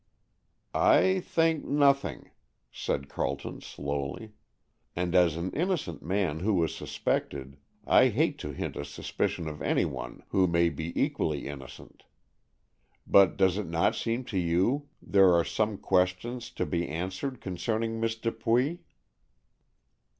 "I think nothing," said Carleton slowly, "and as an innocent man who was suspected, I hate to hint a suspicion of one who may be equally innocent. But does it not seem to you there are some questions to be answered concerning Miss Dupuy?"